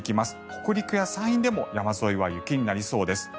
北陸や山陰でも山沿いは雪になりそうです。